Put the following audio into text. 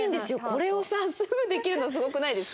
これをさすぐできるのすごくないですか？